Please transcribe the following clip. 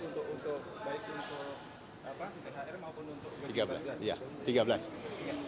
untuk baik untuk thr maupun untuk